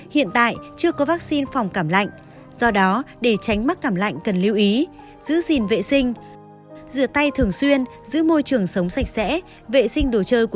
hiện tại chưa có vắc xin phòng cảm lạnh do đó để tránh mắc cảm lạnh cần lưu ý giữ gìn vệ sinh rửa tay thường xuyên giữ môi trường sống sạch sẽ vệ sinh đồ chơi của trẻ